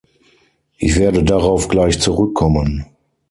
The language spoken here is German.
Ich werde darauf gleich zurückkommen.